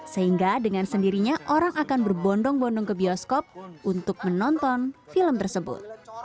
sehingga dengan sendirinya orang akan berbondong bondong ke bioskop untuk menonton film tersebut